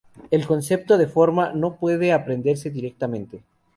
El concepto de forma no puede aprenderse directamente.